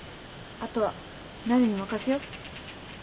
あとはなるに任せよう。